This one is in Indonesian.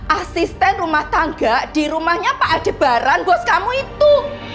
asisten rumah tangga di rumahnya pada baran bos kamu itu